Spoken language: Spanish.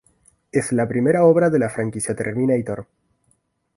Es la primera obra de la franquicia Terminator.